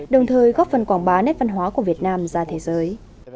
đồng thời góp phần quảng bá nét văn hóa của việt nam ra thế giới